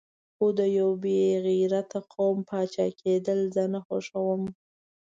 خو د یو بې غیرته قوم پاچا کېدل زه نه خوښوم.